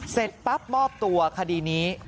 เสร็จปั๊บมอบตัวคดีนี้